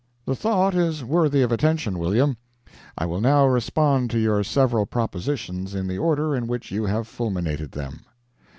The thought is worthy of attention, William. I will now respond to your several propositions in the order in which you have fulminated them.